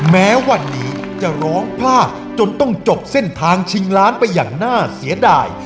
แม้วันนี้จะร้องพลาดจนต้องจบเส้นทางชิงล้านไปอย่างน่าเสียดาย